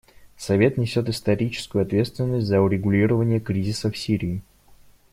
Совет несет историческую ответственность за урегулирование кризиса в Сирии.